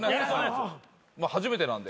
初めてなんで。